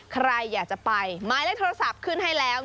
ใครอยากจะไปหมายเลขโทรศัพท์ขึ้นให้แล้ว